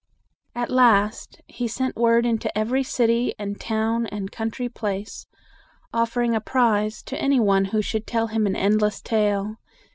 At last he sent word into every city and town and country place, offering a prize to any one who should tell him an endless tale.